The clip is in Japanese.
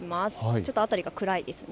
ちょっと辺りが暗いですね。